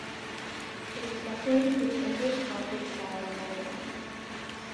It is decorated with English Gothic style carvings.